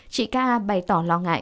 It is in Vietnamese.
chị k a bày tỏ lo ngại